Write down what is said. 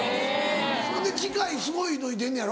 そんで次回すごいのに出んのやろ。